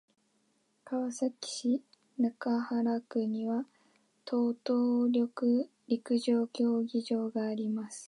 川崎市中原区には等々力陸上競技場があります。